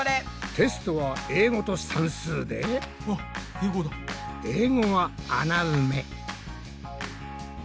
テストは英語と算数で英語は穴埋め。